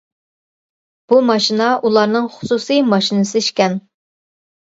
بۇ ماشىنا ئۇلارنىڭ خۇسۇسىي ماشىنىسى ئىكەن.